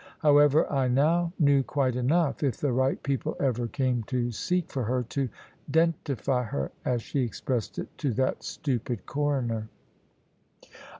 However, I now knew quite enough, if the right people ever came to seek for her, to "'dentify" her, as she expressed it to that stupid Coroner.